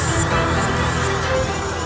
biar aku obati rai